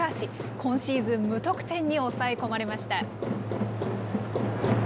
今シーズン無得点に抑え込まれました。